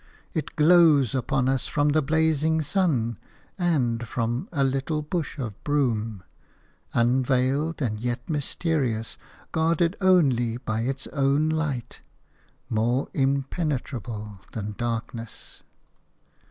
It glows upon us from the blazing sun and from a little bush of broom, unveiled and yet mysterious, guarded only by its own light – more impenetrable than darkness.